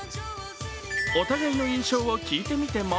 お互いの印象を聞いてみても